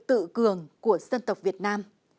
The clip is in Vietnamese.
tự cường của dân tộc việt nam